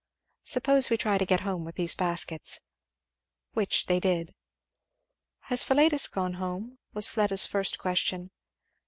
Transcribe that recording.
Suppose we try to get home with these baskets." Which they did. "Has Philetus got home?" was Fleda's first question.